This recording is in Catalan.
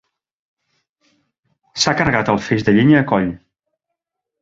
S'ha carregat el feix de llenya a coll.